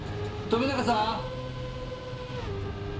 富永さん！